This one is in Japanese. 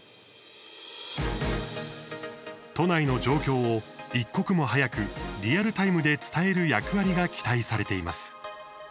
都内の状況を一刻も早くリアルタイムで伝える役割が期待されています。